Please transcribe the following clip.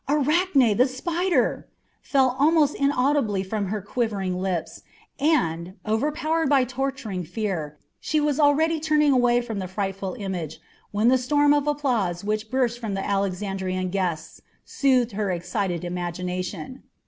"Arachne, the spider!" fell almost inaudibly from her quivering lips, and, overpowered by torturing fear, she was already turning away from the frightful image, when the storm of applause which burst from the Alexandrian guests soothed her excited imagination.